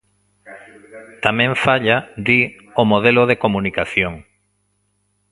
Tamén falla, di, o modelo de comunicación.